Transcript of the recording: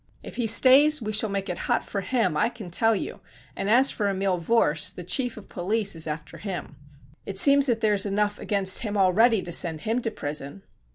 If he stays, we shall make it hot for him, I can tell you, and as for Emile Vorse, the Chief of Police is after him. It seems that there is enough against him already to send him to prison!"